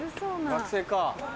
学生か。